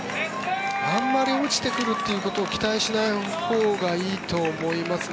あまり落ちてくるというのを期待しないほうがいいと思いますね。